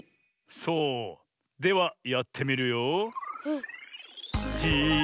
そうではやってみるよ。